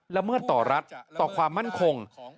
ละเมิดต่อรัฐต่อความมั่นคง